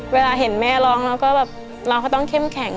เวลาเห็นแม่ร้องแล้วก็แบบน้องเขาต้องเข้มแข็ง